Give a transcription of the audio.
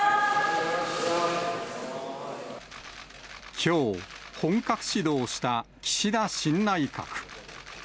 きょう、本格始動した岸田新内閣。